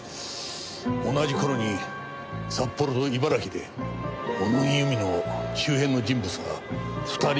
同じ頃に札幌と茨城で小野木由美の周辺の人物が２人死亡している。